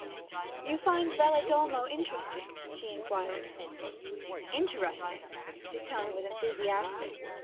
'You find Valedolmo interesting?' she inquired. 'Interesting!' His tone was enthusiastic.